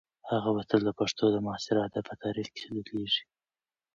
هغه به تل د پښتو د معاصر ادب په تاریخ کې ځلیږي.